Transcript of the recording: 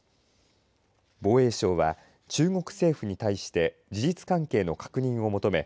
防衛省は中国政府に対して事実関係の確認を求め